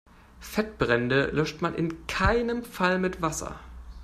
Fettbrände löscht man in keinem Fall mit Wasser.